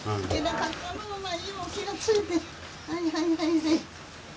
はいはいはいはい。